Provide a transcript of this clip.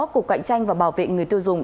cục cạnh tranh và bảo vệ người tiêu dùng